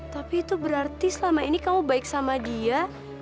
tapi itu berarti selama ini kamu baik sama dia